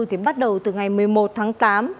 thì bắt đầu từ ngày một mươi một tháng tám